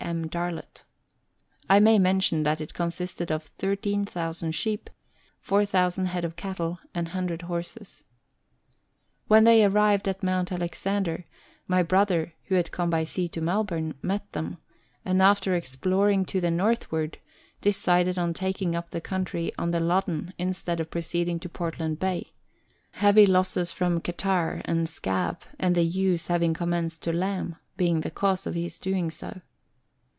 M. Darlot. I may mention that it consisted of 13,000 sheep, 4,000 head of cattle, and 100 horses. When they arrived at Mount Alexander, my brother (who had come by sea to Melbourne) met them, and after exploring to the northward, decided on taking up the country on the Loddon instead of proceeding to Portland Bay heavy losses from catarrh and scab, and the ewes having commenced to lamb, being the cause of his doing so.